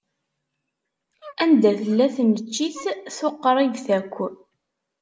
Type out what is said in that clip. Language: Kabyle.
Anda tella tneččit tuqribt akk?